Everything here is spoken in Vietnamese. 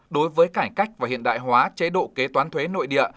đối với cải cách và hiện đại hóa chế độ kế toán thuế nội địa